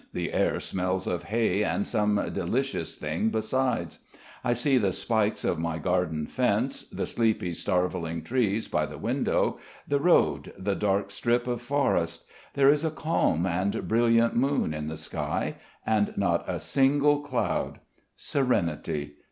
The air smells of hay and some delicious thing besides. I see the spikes of my garden fence, the sleepy starveling trees by the window, the road, the dark strip of forest. There is a calm and brilliant moon in the sky and not a single cloud. Serenity.